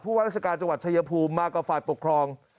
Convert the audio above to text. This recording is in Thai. ผู้วัตรราชการจังหวัดชัยภูมิมากกว่าฝ่ายปกครอง